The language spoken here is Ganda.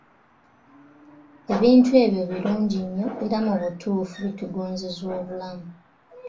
Ebintu ebyo birungi nnyo era mu butuufu bitungozeza obulamu.